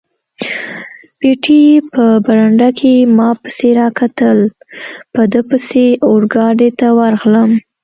پېټی په برنډه کې ما پسې را کتل، په ده پسې اورګاډي ته ورغلم.